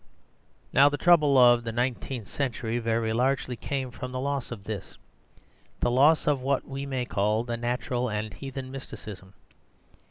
Now the trouble of the nineteenth century very largely came from the loss of this; the loss of what we may call the natural and heathen mysticism.